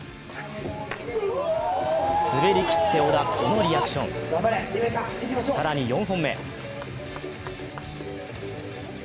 滑りきって織田、このリアクション更に４本目。